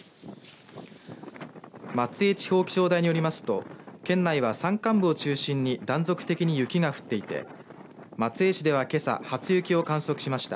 松江地方気象台によりますと県内は、山間部を中心に断続的に雪が降っていて松江市ではけさ初雪を観測しました。